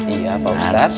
iya pak ustadz